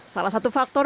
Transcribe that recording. salah satu faktor